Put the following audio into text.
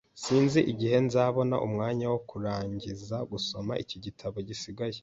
Sinzi igihe nzabona umwanya wo kurangiza gusoma iki gitabo gisigaye.